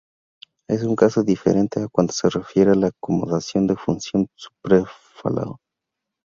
Es un caso diferente cuando se refiere a la acomodación de fusión superflua".